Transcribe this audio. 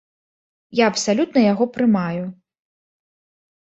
Я абсалютна яго прымаю.